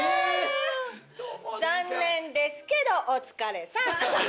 残念ですけどお疲れさん。